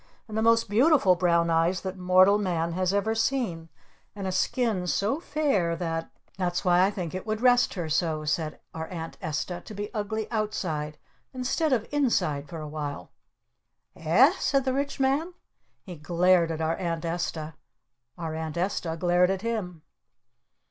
"And the most beautiful brown eyes that mortal man has ever seen! And a skin so fair that " "That's why I think it would rest her so," said our Aunt Esta, "to be ugly outside instead of inside for a while." "Eh?" said the Rich Man. He glared at our Aunt Esta. Our Aunt Esta glared at him.